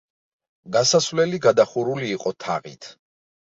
გასასვლელი გადახურული იყო თაღით.